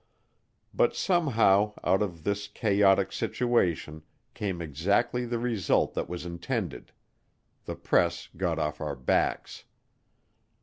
But somehow out of this chaotic situation came exactly the result that was intended the press got off our backs.